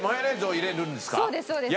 そうですそうです。